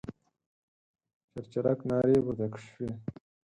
چرچرک نارې پورته شوې.